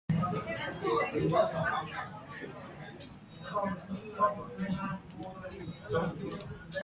The highway runs from Danbury to Meredith on Lake Winnipesaukee in the Lakes Region.